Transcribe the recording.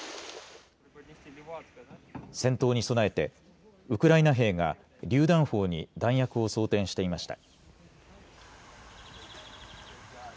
戦闘に備えてウクライナ兵がりゅう弾砲に弾薬を装填していました。